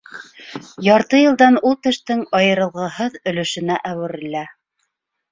Ярты йылдан ул тештең айырылғыһыҙ өлөшөнә әүерелә.